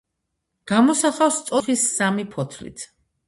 გამოსახავს ტოტს მუხის სამი ფოთლით.